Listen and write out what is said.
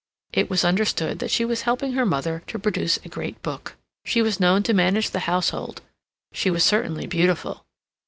It was understood that she was helping her mother to produce a great book. She was known to manage the household. She was certainly beautiful.